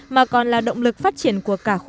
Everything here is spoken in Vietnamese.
mà còn là động lực phát triển của cả khu vực